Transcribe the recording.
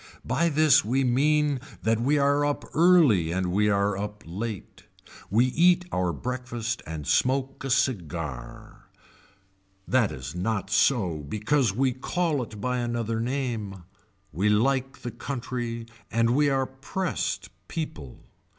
By this we mean that we are up early and we are up late. We eat our breakfast and smoke a cigar. That is not so because we call it by another name. We like the country and we are pressed people.